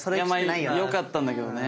いやまあよかったんだけどね。